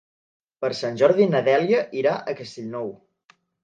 Per Sant Jordi na Dèlia anirà a Castellnou.